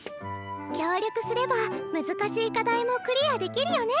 協力すれば難しい課題もクリアできるよね。